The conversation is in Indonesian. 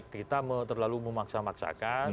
kita terlalu memaksa maksakan